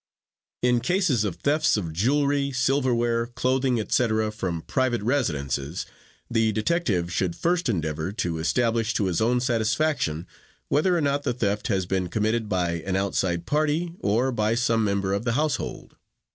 In cases of thefts of jewelry, silverware, clothing, etc., from private residences the detective should first endeavor to establish to his own satisfaction whether or not the theft has been committed by an outside party, or by some member of the household.